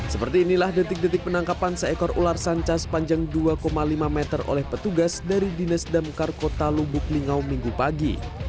seperti inilah detik detik penangkapan seekor ular sanca sepanjang dua lima meter oleh petugas dari dinas damkar kota lubuk lingau minggu pagi